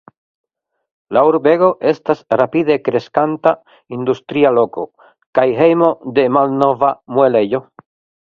La urbego estas rapide kreskanta industria loko kaj hejmo de malnova muelejo.